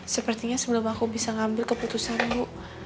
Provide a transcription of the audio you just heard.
sepertinya sebelum aku bisa ngambil keputusan bu